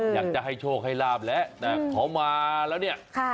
อยากจะให้โชคให้ลาบแล้วแต่เขามาแล้วเนี่ย